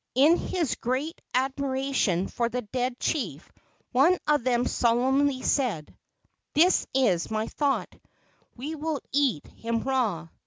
In his great admiration for the dead chief one of them solemnly said: "This is my thought: we will eat him raw!"